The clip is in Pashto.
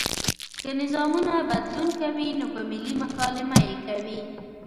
که نظامونه بدلون کوي نو په ملي مکالمه یې کوي.